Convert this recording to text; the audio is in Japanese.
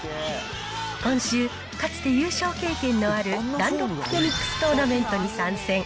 今週、かつて優勝経験のあるダンロップフェニックストーナメントに参戦。